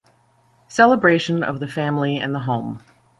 Celebration of the Family and the Home.